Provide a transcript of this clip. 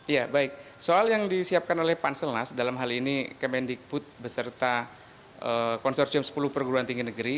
ya baik soal yang disiapkan oleh panselnas dalam hal ini kemendikbud beserta konsorsium sepuluh perguruan tinggi negeri